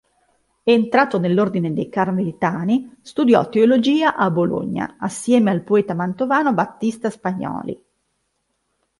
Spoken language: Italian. Entrato nell'ordine dei Carmelitani, studiò teologia a Bologna assieme al poeta mantovano Battista Spagnoli.